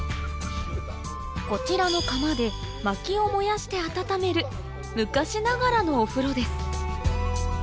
こちらの釜で薪を燃やして温める昔ながらのお風呂です・